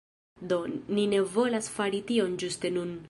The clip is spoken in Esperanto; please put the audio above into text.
Do, ni ne volas fari tion ĝuste nun